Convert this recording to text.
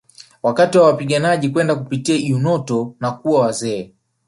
Wakati wa wapiganaji kwenda kupitia Eunoto na kuwa wazee